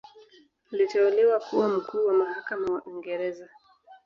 Aliteuliwa kuwa Mkuu wa Mahakama wa Uingereza.